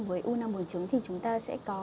với u năng mổ trứng thì chúng ta sẽ có